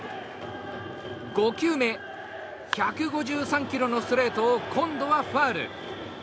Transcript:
５球目１５３キロのストレートを今度はファウル。